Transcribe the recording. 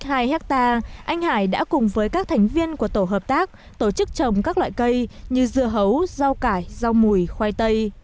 trong hai hectare anh hải đã cùng với các thành viên của tổ hợp tác tổ chức trồng các loại cây như dưa hấu rau cải rau mùi khoai tây